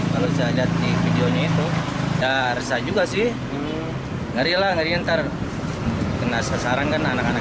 kalau saya lihat di videonya itu ya resah juga sih ngeri lah ngeri ntar kena sasaran kan anak anak